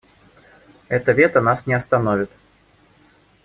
Это вето нас не остановит.